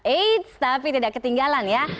eits tapi tidak ketinggalan ya